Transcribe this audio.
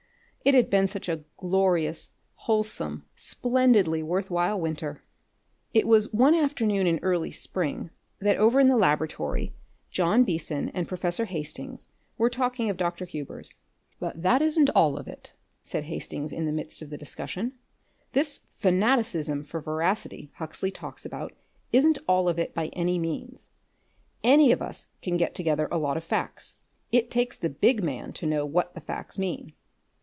It had been such a glorious, wholesome, splendidly worth while winter. It was one afternoon in early spring that over in the laboratory John Beason and Professor Hastings were talking of Dr. Hubers. "But that isn't all of it," said Professor Hastings in the midst of a discussion. "This fanaticism for veracity Huxley talks about isn't all of it by any means. Any of us can get together a lot of facts. It takes the big man to know what the facts mean."